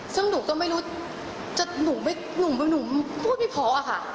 ซึ่งหนูก็ไม่รู้หนูพูดไม่เพราะอะค่ะ